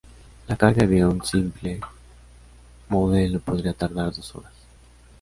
La carga de un simple modelo podría tardar dos horas.